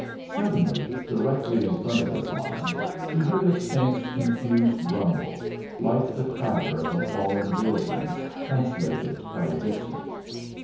Suddenly, directly in front of his line, he heard a faint, confused rumble, like the clatter of a falling building translated by distance.